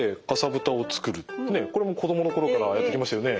ねえこれも子供の頃からやってきましたよね。